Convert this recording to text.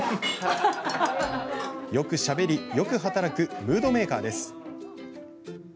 よくしゃべりよく働くムードメーカーです。